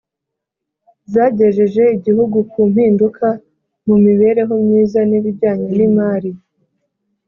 zagejeje igihugu ku mpinduka mu mibereho myiza n’ibijyanye n’imari